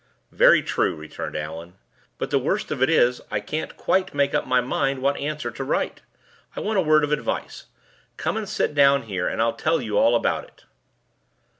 "Very true," returned Allan. "But the worst of it is, I can't quite make up my mind what answer to write. I want a word of advice. Come and sit down here, and I'll tell you all about it."